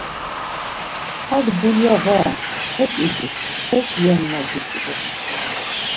Hak dulya va ren, hek idi, hek ren ma gitzvi.